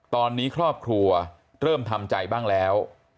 ตอนนี้ครอบครัวเริ่มทำใจบ้างแล้ว